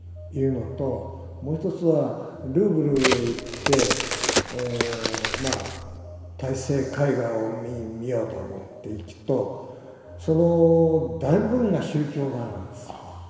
もう一つはルーブルへ行ってまあ絵画を見ようと思って行くとその大部分が宗教画なんです。